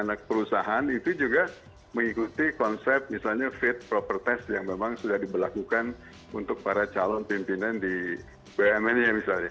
anak perusahaan itu juga mengikuti konsep misalnya fit proper test yang memang sudah diberlakukan untuk para calon pimpinan di bumn nya misalnya